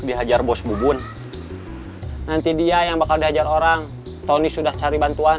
dihajar bos bubun nanti dia yang bakal diajar orang tony sudah cari bantuan